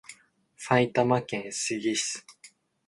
埼玉県志木市